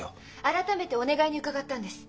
改めてお願いに伺ったんです。